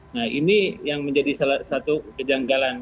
nah ini yang menjadi salah satu kejanggalan